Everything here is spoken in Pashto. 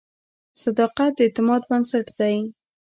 • صداقت د اعتماد بنسټ دی.